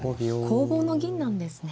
攻防の銀なんですね。